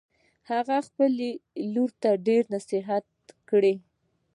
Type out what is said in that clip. هغې خپلې لور ته ډېر نصیحتونه کړي